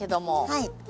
はい。